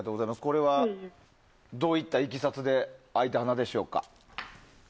これは、どういったいきさつで開いた穴でしょうか。